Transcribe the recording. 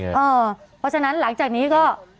เพราะฉะนั้นหลังจากนี้ก็